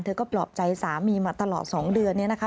เธอก็ปลอบใจสามีมาตลอด๒เดือนนี้นะคะ